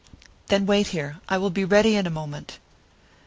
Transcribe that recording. "Then wait here; I will be ready in a moment."